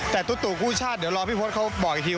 แต่ตุ๊ตู่กู้ชาติเดี๋ยวรอพี่พศเขาบอกอีกที